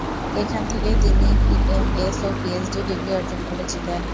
এখান থেকেই তিনি এমএস ও পিএইচডি ডিগ্রী অর্জন করেছিলেন।